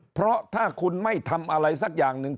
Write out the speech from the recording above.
เพราะถ้าคุณไม่ทำอะไรสักอย่างหนึ่ง